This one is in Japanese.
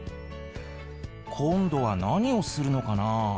今度は何をするのかなあ。